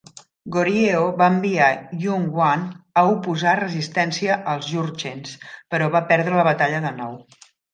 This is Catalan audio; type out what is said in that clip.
Goryeo va enviar Yun Gwan a oposar resistència als Jurchens, però va perdre la batalla de nou.